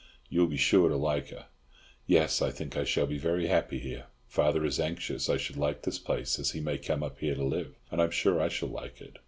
You will be sure to like her." "Yes. I think I shall be very happy here. Father is anxious I should like this place, as he may come up here to live, and I'm sure I shall like it.